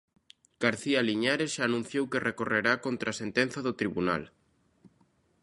García Liñares xa anunciou que recorrerá contra a sentenza do tribunal.